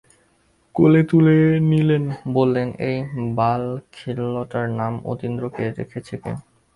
কোলে তুলে নিলেন, বললেন, এই বালখিল্যটার নাম অতীন্দ্র রেখেছে কে?